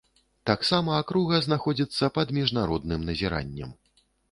Таксама акруга знаходзіцца пад міжнародным назіраннем.